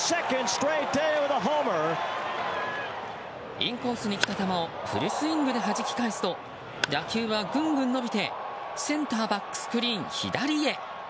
インコースに来た球をフルスイングではじき返すと打球は、ぐんぐん伸びてセンターバックスクリーン左へ。